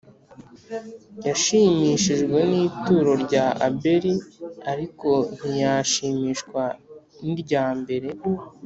yashimishijwe n ituro rya Abeli ariko ntiyashimishwa n iryambere